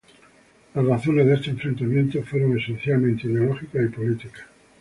Las razones de este enfrentamiento fueron esencialmente ideológicas y políticas.